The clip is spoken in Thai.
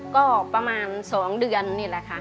ก็ประมาณ๒เดือนนี่แหละค่ะ